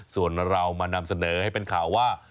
ส่วนเรามานำเสนอให้เป็นข่าวว่า